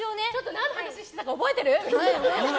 何の話してたか覚えてる？